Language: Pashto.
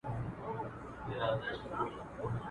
بې منزله مساپره خیر دي نسته په بېړۍ کي.